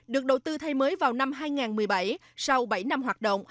được đầu tư thay mới vào năm hai nghìn một mươi bảy sau bảy năm hoạt động